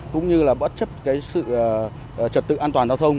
cũng như là bất chấp cái sự trật tự an toàn giao thông